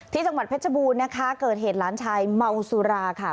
จังหวัดเพชรบูรณ์นะคะเกิดเหตุหลานชายเมาสุราค่ะ